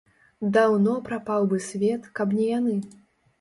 Даўно прапаў бы свет, каб не яны.